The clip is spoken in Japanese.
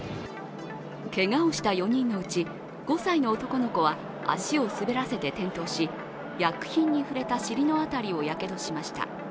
けがをした４人のうち５歳の男の子は足を滑らせて転倒し薬品に触れた尻の辺りをやけどしました。